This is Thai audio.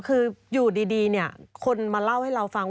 คืออยู่ดีเนี่ยคนมาเล่าให้เราฟัง